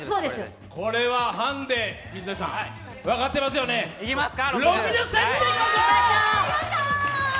これはハンデ、分かってますよね、６０ｃｍでいきましょう！